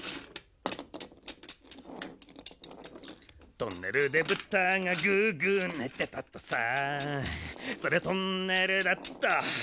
トンネルでぶたがグーグーねてたとさそりゃトンネルだっと。